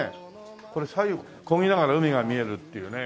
これ左右こぎながら海が見えるっていうね。